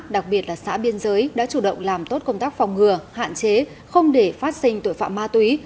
đặc biệt là xã biên giới đã chủ động làm tốt công tác phòng ngừa hạn chế không để phát sinh tội phạm ma túy